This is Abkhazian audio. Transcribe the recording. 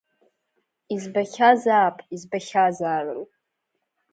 Избахьа-заап, избахьа-заарын…